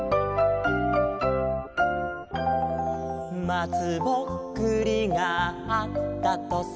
「まつぼっくりがあったとさ」